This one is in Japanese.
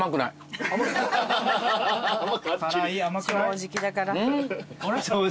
正直だから。